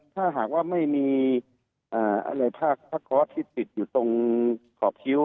ถ้าหากว่าไม่มีอะไรผ้าคอร์สที่ติดอยู่ตรงขอบคิ้ว